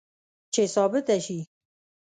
چې ثابته شي